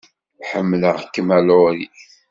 Ḥemmleɣ-kem a Laurie.